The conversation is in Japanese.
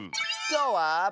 きょうは。